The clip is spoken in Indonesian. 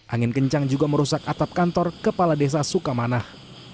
angin kencang juga merusak atap kantor kepala desa sukamanah